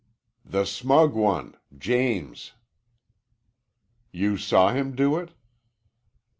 "The smug one James." "You saw him do it?"